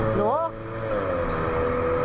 หนู